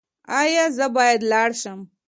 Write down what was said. ایا زه باید لاړ شم؟